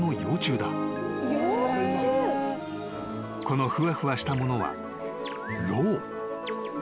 ［このふわふわしたものは］